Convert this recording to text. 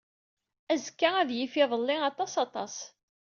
Azekka ad yif idelli aṭas aṭas.